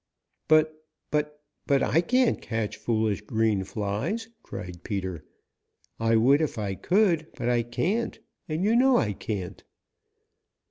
"But but but I can't catch foolish green flies," cried Peter. "I would if I could, but I can't, and you know I can't."